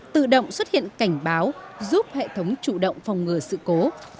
tự động xuất hiện cảnh báo giúp hệ thống chủ động phòng ngừa sự cố